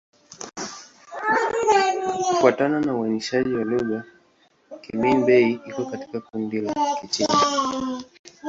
Kufuatana na uainishaji wa lugha, Kimin-Bei iko katika kundi la Kichina.